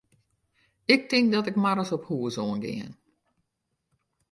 Ik tink dat ik mar ris op hús oan gean.